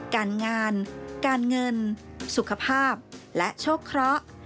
การงานการเงินสุขภาพและโชคเคราะห์